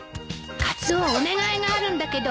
カツオお願いがあるんだけど。